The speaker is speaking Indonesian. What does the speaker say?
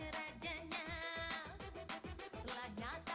udah mandir udah mandir kenapa